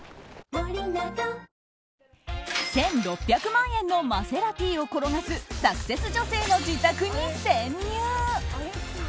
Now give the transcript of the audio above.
１６００万円のマセラティを転がすサクセス女性の自宅に潜入。